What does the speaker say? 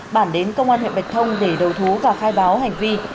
bản đến công an huyện bạch thông để đầu thú và khai báo hành vi